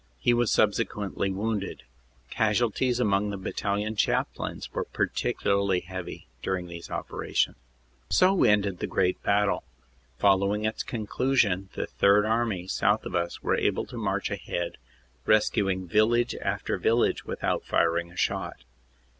He was subsequently wounded. Casualties among the Bat talion Chaplains were particularly heavy during these opera tions. So ended the great battle. Following its conclusion the Third Army south of us were able to march ahead, rescuing village after village without firing a shot.